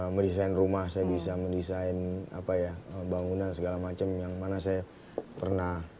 mendesain rumah saya bisa mendesain apa ya bangunan segala macam yang mana saya pernah